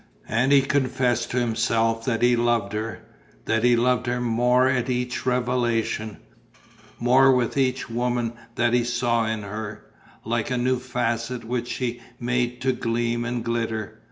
And he confessed to himself that he loved her, that he loved her more at each revelation, more with each woman that he saw in her, like a new facet which she made to gleam and glitter.